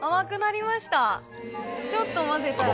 ちょっと混ぜたら。